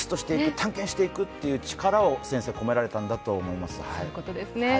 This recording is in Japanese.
探検していくという力を先生は込められたんだと思います。